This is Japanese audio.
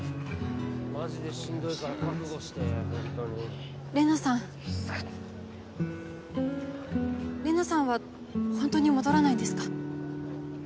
マジでしんどいから覚悟してホントに玲奈さん玲奈さんはホントに戻らないんですか？